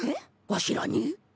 わしらに？